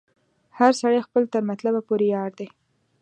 هر سړی خپل تر مطلبه پوري یار دی